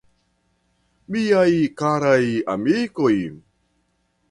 Miaj karaj amikoj?